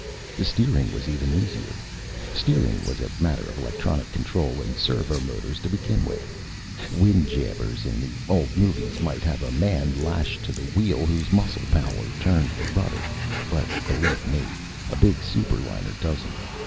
The steering was even easier. Steering was a matter of electronic control and servomotors to begin with. Windjammers in the old movies might have a man lashed to the wheel whose muscle power turned the rudder, but, believe me, a big superliner doesn't.